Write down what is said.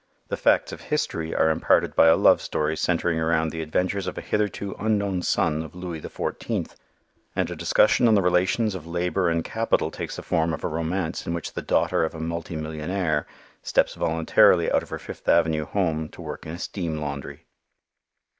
The facts of history are imparted by a love story centering around the adventures of a hitherto unknown son of Louis the Fourteenth. And a discussion of the relations of labor and capital takes the form of a romance in which the daughter of a multi millionaire steps voluntarily out of her Fifth Avenue home to work in a steam laundry.